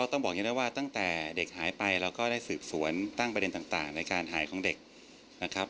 ต้องบอกอย่างนี้ได้ว่าตั้งแต่เด็กหายไปเราก็ได้สืบสวนตั้งประเด็นต่างในการหายของเด็กนะครับ